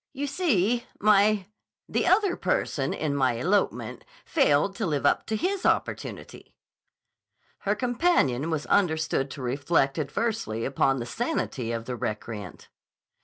"You see, my—the other person in my elopement failed to live up to his opportunity." Her companion was understood to reflect adversely upon the sanity of the recreant.